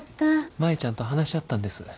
舞ちゃんと話し合ったんです。